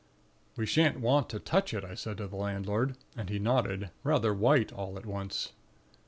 "'We shan't want to touch it," I said to the landlord; and he nodded, rather white all at once.